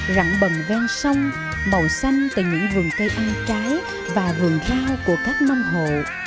rẳng bần ven sông màu xanh từ những vườn cây ăn trái và vườn rau của các nông hộ